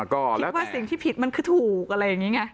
คิดว่าสิ่งที่ผิดมันคือถูกอะไรอย่างนี้ไง